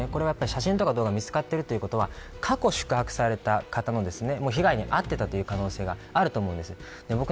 写真とか動画が見つかっているということは過去、宿泊された方も被害に遭っていた可能性があるということです。